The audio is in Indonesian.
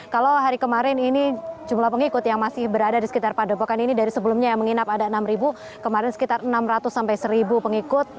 kalau hari kemarin ini jumlah pengikut yang masih berada di sekitar padepokan ini dari sebelumnya yang menginap ada enam kemarin sekitar enam ratus sampai seribu pengikut